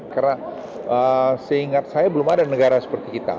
karena seingat saya belum ada negara seperti kita